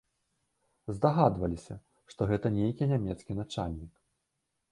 Здагадваліся, што гэта нейкі нямецкі начальнік.